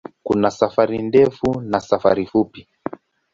Kuna safari ndefu na safari fupi.